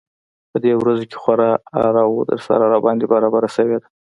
په دې ورځو کې خورا اره و دوسره راباندې برابره شوې ده.